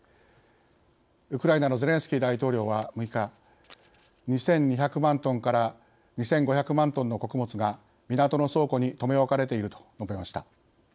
ウクライナのゼレンスキー大統領は、６日２２００万トンから２５００万トンの穀物が港の倉庫に留め置かれていると述べました。